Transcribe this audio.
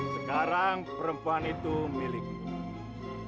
sekarang perempuan itu milikmu